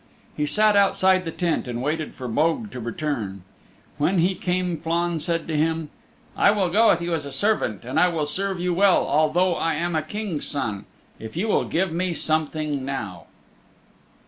He sat outside the tent and waited for Mogue to return. When he came Flann said to him, "I will go with you as a servant, and I will serve you well although I am a King's Son, if you will give me something now."